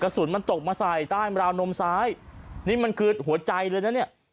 สุนมันตกมาใส่ใต้ราวนมซ้ายนี่มันคือหัวใจเลยนะเนี่ย